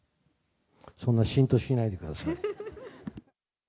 そんなシーンとしないでください。